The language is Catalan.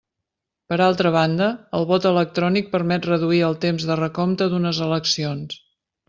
Per altra banda, el vot electrònic permet reduir el temps de recompte d'unes eleccions.